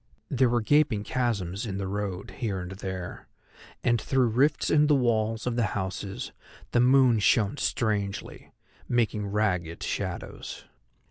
There were gaping chasms in the road, here and there, and through rifts in the walls of the houses the moon shone strangely, making ragged shadows.